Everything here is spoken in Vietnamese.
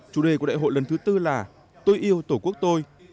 chủ đề của đại hội lần thứ tư là tôi yêu tổ quốc tôi